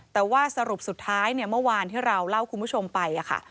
แต่ว่าสรุปสุดท้ายเนี่ยเมื่อวานที่เราเล่าคุณผู้ชมไปค่ะ